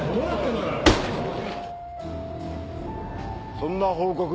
そんな報告